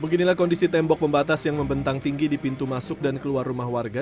beginilah kondisi tembok pembatas yang membentang tinggi di pintu masuk dan keluar rumah warga